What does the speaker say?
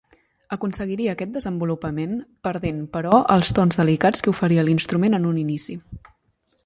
Aconseguiria aquest desenvolupament, perdent però els tons delicats que oferia l'instrument en un inici.